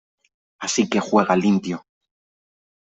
Así que juega limpio .